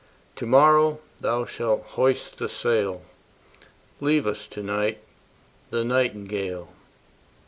To morrow thou shalt hoist the sail; Leave us to night the nightingale.